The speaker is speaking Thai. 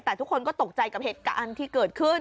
แต่ทุกคนก็ตกใจกับเหตุการณ์ที่เกิดขึ้น